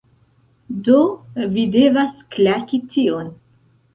Do, vi devas klaki tion